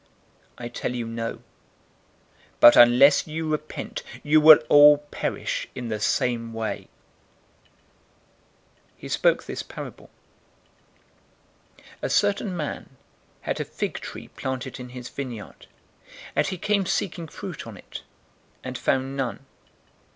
013:005 I tell you, no, but, unless you repent, you will all perish in the same way." 013:006 He spoke this parable. "A certain man had a fig tree planted in his vineyard, and he came seeking fruit on it, and found none.